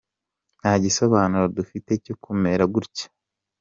Nta gisobanuro dufite cyo kumera gutya.